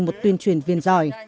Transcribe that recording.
một tuyên truyền viên